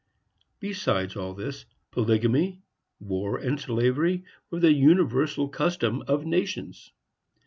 Beside all this, polygamy, war and slavery, were the universal custom of nations.